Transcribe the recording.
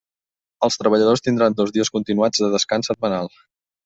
Els treballadors tindran dos dies continuats de descans setmanal.